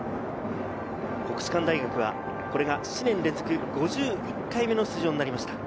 国士舘大学はこれが７年連続５１回目の出場になりました。